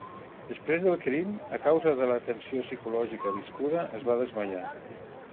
Després del crim, a causa de la tensió psicològica viscuda, es va desmaiar.